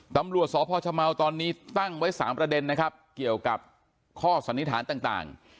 ตำรวจสพชเมาตอนนี้ตั้งไว้๓ประเด็นนะครับเกี่ยวกับข้อสันนิษฐานต่าง